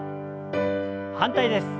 反対です。